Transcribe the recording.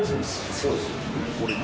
そうですよ。